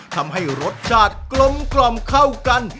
ทำให้รสชาติกลมเข้ากัน